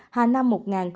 hà nam một bảy ca